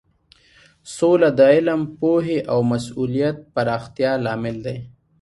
سوله د علم، پوهې او مسولیت پراختیا لامل دی.